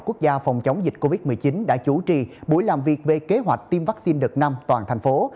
quốc gia phòng chống dịch covid một mươi chín đã chủ trì buổi làm việc về kế hoạch tiêm vaccine đợt năm toàn thành phố